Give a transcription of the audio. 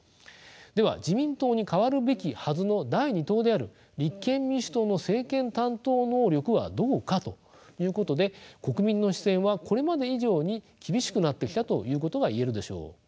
では自民党に代わるべきはずの第２党である立憲民主党の政権担当能力はどうかということで国民の視線はこれまで以上に厳しくなってきたということが言えるでしょう。